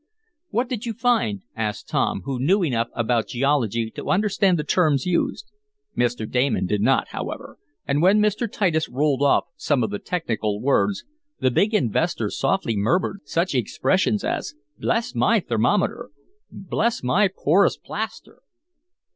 "What did you find?" asked Tom, who knew enough about geology to understand the terms used. Mr. Damon did not, however, and when Mr. Titus rolled off some of the technical words, the drug investor softly murmured such expressions as "Bless my thermometer! Bless my porous plaster!"